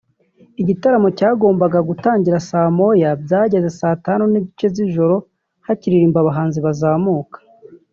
Igitaramo cyagombaga gutangira saa moya byageze saa tanu n’igice z’ijoro hakiririmba abahanzi bakizamuka